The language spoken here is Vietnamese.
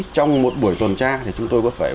trong một buổi tuần tra thì chúng tôi có phải